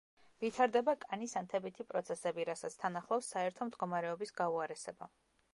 ვითარდება კანის ანთებითი პროცესები, რასაც თან ახლავს საერთო მდგომარეობის გაუარესება.